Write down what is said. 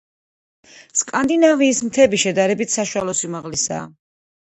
სკანდინავიის მთები შედარებით საშუალო სიმაღლისაა.